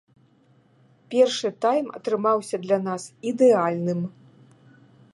Першы тайм атрымаўся для нас ідэальным.